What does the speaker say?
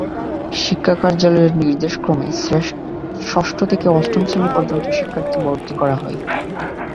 শিক্ষা কার্যালয়ের নির্দেশক্রমে ষষ্ঠ থেকে অষ্টম শ্রেণি পর্যন্ত শিক্ষার্থী ভর্তি করা হয়।